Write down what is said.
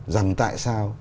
rằng tại sao